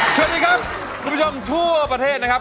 สวัสดีครับคุณผู้ชมทั่วประเทศนะครับ